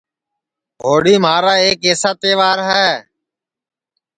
ہوݪی مھارا ایک ایسا تہوار ہے